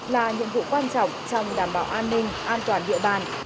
là nhiệm vụ quan trọng trong đảm bảo an ninh an toàn địa bàn